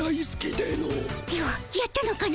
ではやったのかの？